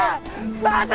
待て！